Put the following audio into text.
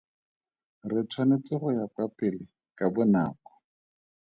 Re tshwanetse go ya kwa pele ka bonako.